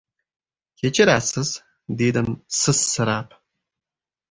— Kechirasiz, — dedim sizsirab.